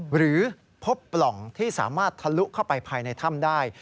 หรือพบปล่องที่สามารถทะลุเข้าไปภายในถ้ำได้